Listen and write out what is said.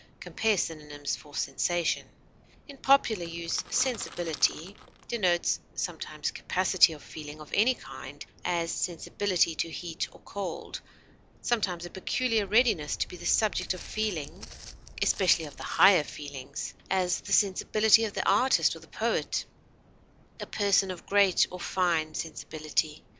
(Compare synonyms for SENSATION.) In popular use sensibility denotes sometimes capacity of feeling of any kind; as, sensibility to heat or cold; sometimes, a peculiar readiness to be the subject of feeling, especially of the higher feelings; as, the sensibility of the artist or the poet; a person of great or fine sensibility.